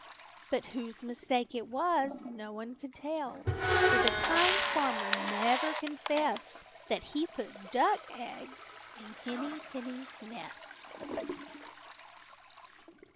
But whose mistake it was no one could tell, for the Kind Farmer never confessed that he put duck eggs in Henny Penny's nest.